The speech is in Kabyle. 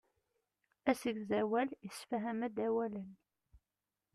Asegzawal issefham-d awalen.